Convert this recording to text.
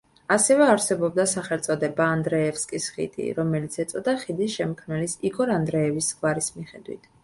ასევე არსებობდა სახელწოდება ანდრეევსკის ხიდი, რომელიც ეწოდა ხიდის შემქმნელის იგორ ანდრეევის გვარის მიხედვით.